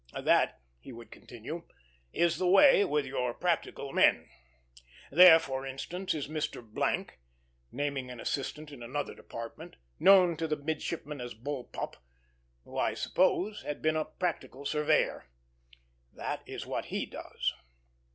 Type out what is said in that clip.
That," he would continue, "is the way with your practical men. There, for instance, is Mr. ," naming an assistant in another department, known to the midshipmen as Bull pup, who I suppose had been a practical surveyor; "that is what he does."